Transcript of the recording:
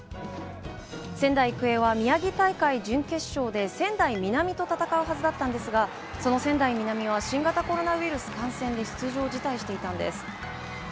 仙台育英は宮城大会準決勝で仙台南と戦うはずだったのですが、その仙台南は、新型コロナウイルス感染で出場を辞退していていたのです。